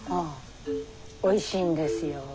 おいしいんですよ。